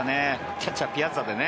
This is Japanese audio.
キャッチャー、ピアザでね。